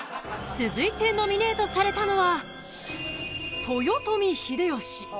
［続いてノミネートされたのは］